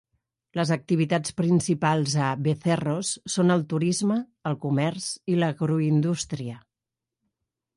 Les activitats principals a "Bezerros" són el turisme, el comerç i l'agroindústria.